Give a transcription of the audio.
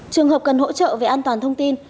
trường hợp cần hỗ trợ về an toàn thông tin